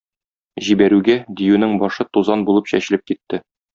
Җибәрүгә диюнең башы тузан булып чәчелеп китте.